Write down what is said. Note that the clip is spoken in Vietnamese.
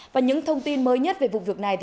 và những thông tin mới nhất về vụ việc này